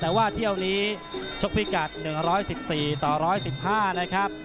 แต่ว่าที่อาวุ่นนี้ชกพี่กัท๑๑๔ต่อ๑๑๕นะครับ